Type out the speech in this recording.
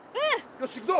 よしいくぞ！